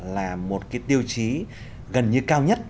là một tiêu chí gần như cao nhất